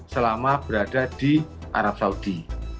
selama berada di arab saudi